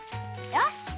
よし！